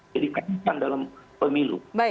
jadi kandikan dalam pemilu